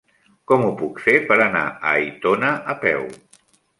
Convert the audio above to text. Com ho puc fer per anar a Aitona a peu?